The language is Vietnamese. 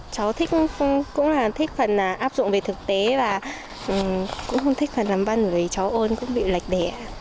cháu thích cũng là thích phần áp dụng về thực tế và cũng không thích phần làm văn vì cháu ơn cũng bị lạch đẻ